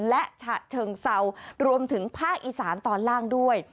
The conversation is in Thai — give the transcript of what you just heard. และฉะเชิงเซารวมถึงภาคอีสานตอนล่างด้วย